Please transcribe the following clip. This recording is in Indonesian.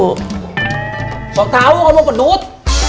kok tahu kamu pedut